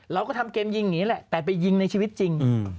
เราก็ทำเกมยิงอย่างนี้แหละแต่ไปยิงในชีวิตจริง